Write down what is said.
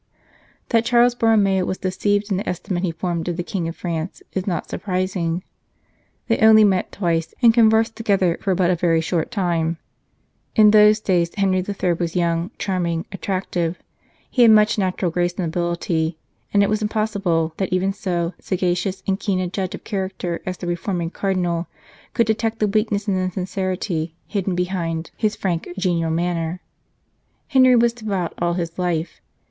That Charles Borromeo was deceived in the estimate he formed of the King of France is not surprising. They only met twice, and conversed together for but a very short time. In those days Henry III. was young, charming, attractive; he had much natural grace and ability, and it was impossible that even so sagacious and keen a judge of character as the reforming Cardinal could detect the weakness and insincerity hidden behind his frank, genial manner. Henry was devout all his life.